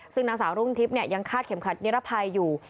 ซึ่งนางสาวรุ่งทิพย์ยังคาดเข็มขัดนิรภัยอยู่